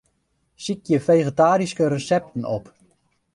Sykje fegetaryske resepten op.